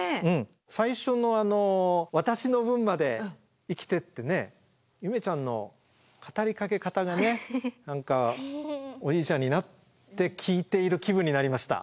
最初の「私の分まで生きて」ってね夢ちゃんの語りかけ方が何かおじいちゃんになって聞いている気分になりました。